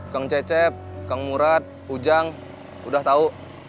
kang cecep kang murad ujang udah tahu